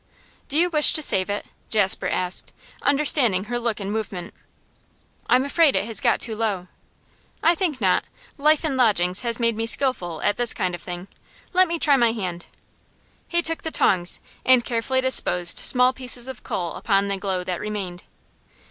'Do you wish to save it?' Jasper asked, understanding her look and movement. 'I'm afraid it has got too low.' 'I think not. Life in lodgings has made me skilful at this kind of thing; let me try my hand.' He took the tongs and carefully disposed small pieces of coal upon the glow that remained.